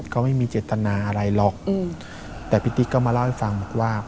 ก็ไม่มีเจตนาอะไรหรอกแต่พี่ติ๊กก็มาเล่าให้ฟังบอกว่า